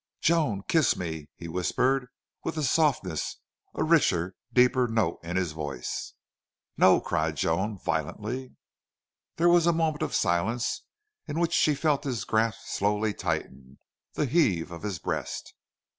"Joan, kiss me," he whispered, with a softness, a richer, deeper note in his voice. "No!" cried Joan, violently. There was a moment of silence in which she felt his grasp slowly tighten the heave of his breast.